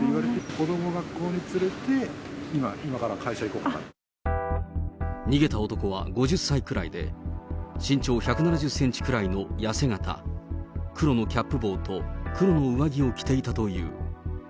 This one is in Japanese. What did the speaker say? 子どもを学校に連れて、今か逃げた男は５０歳くらいで、身長１７０センチくらいのやせ型、黒のキャップ帽と黒の上着を着ていたという。